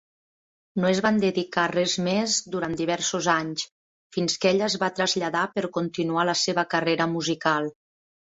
No es van dedicar a res més durant diversos anys, fins que ella es va traslladar per continuar la seva carrera musical.